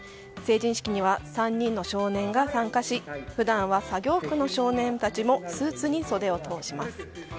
成人式には３人の少年が参加し普段は作業服の少年たちもスーツに袖を通します。